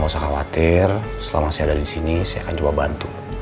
gak usah khawatir selama saya ada di sini saya akan coba bantu